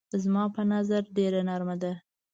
زما په نظر ډېره نرمه ده.